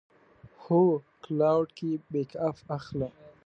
هو، کلاوډ کې بیک اپ اخلم